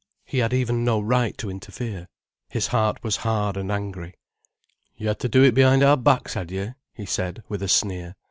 He had even no right to interfere. His heart was hard and angry. "You had to do it behind our backs, had you?" he said, with a sneer.